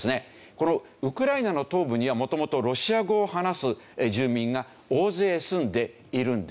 このウクライナの東部には元々ロシア語を話す住民が大勢住んでいるんですよね。